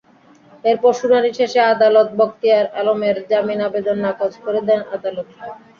এরপর শুনানি শেষে আদালত বখতিয়ার আলমের জামিন আবেদন নাকচ করে দেন আদালত।